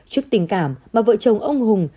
trước tình cảm mà vợ chồng ông hùng